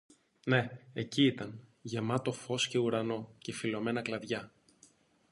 Ναι, εκεί ήταν, γεμάτο φως και ουρανό, και φυλλωμένα κλαδιά